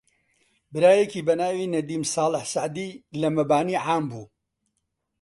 برایەکی بە ناوی نەدیم ساڵح سەعدی لە مەبانی عام بوو